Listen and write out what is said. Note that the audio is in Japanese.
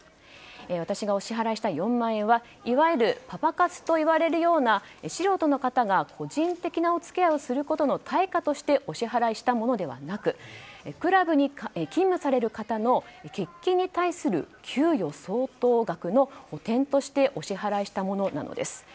私がお支払した４万円はいわゆるパパ活といわれるような素人の方が個人的なお付き合いをすることの対価としてお支払いしたものではなくクラブに勤務される方の欠勤に対する給与相当額の補てんとしてお支払いしたものなのです。